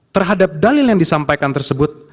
terhadap dalil yang disampaikan tersebut